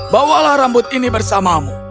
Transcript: bawalah rambut ini bersamamu